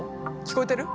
聞こえてる？